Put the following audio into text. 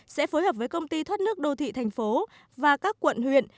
sẽ phối hợp với công ty thoát nước đô thị thành phố và các quận huyện